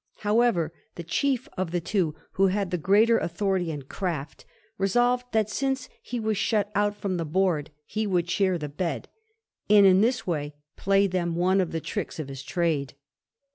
However, the chief of the two, who had the greater authority and craft, resolved that, since he was shut out from the board, he would share the bed, and in this way play them one of the tricks of his trade.